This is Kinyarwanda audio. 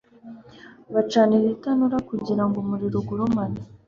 bacanira itanura kugira ngo umuriro ugurumane